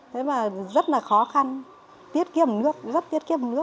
thế mà rất là khó khăn tiết kiệm nước rất tiết kiệm nước